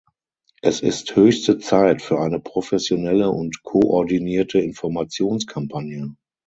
Es ist höchste Zeit für eine professionelle und koordinierte Informationskampagne.